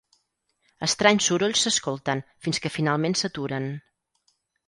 Estranys sorolls s'escolten, fins que finalment s'aturen.